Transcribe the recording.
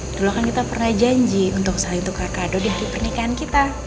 dulu kan kita pernah janji untuk saling tukar kado di pernikahan kita